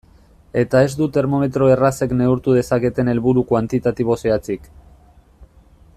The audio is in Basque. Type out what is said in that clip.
Eta ez du termometro errazek neurtu dezaketen helburu kuantitatibo zehatzik.